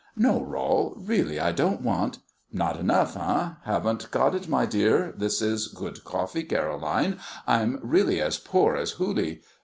"No, Rol, really I don't want " "Not enough, eh? Haven't got it, my dear this is good coffee, Caroline, I'm really as poor as Hooley.